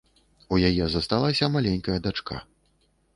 У яе засталася маленькая дачка.